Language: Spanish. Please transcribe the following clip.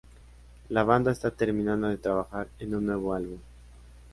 La banda está terminando de trabajar en un nuevo álbum.